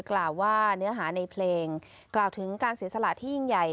กล่าวว่าเนื้อหาในเพลงกล่าวถึงการเสียสละที่ยิ่งใหญ่